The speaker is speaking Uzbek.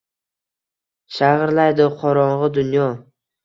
Shag’irlaydi qorong’i dunyo